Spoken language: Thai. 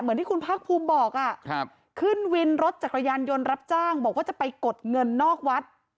ที่คุณภาคภูมิบอกขึ้นวินรถจักรยานยนต์รับจ้างบอกว่าจะไปกดเงินนอกวัด